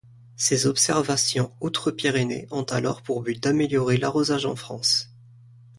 Ses observations outre-Pyrénées ont alors pour but d’améliorer l’arrosage en France.